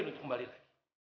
bikin untuk kembali lagi